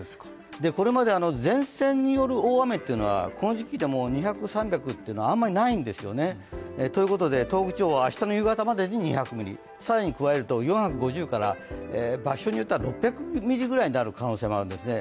これまで前線による大雨というのはこの時期でも２００、３００というのはあまりないんですよね、ということで東北地方、明日の夕方までに２００ミリ更に加えると４５０から場所によっては６００ミリぐらいになる可能性もあるんですね。